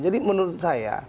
jadi menurut saya